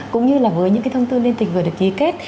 cũng như là với những cái thông tư liên tịch vừa được ký kết